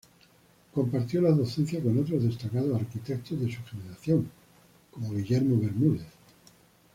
Compartió la docencia con otros destacados arquitectos de su generación Guillermo Bermúdez.